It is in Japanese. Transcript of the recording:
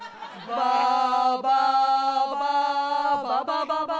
バババ